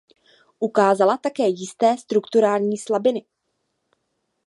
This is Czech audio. Ukázala také jisté strukturální slabiny.